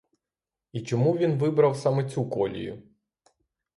І чому він вибрав саме цю колію?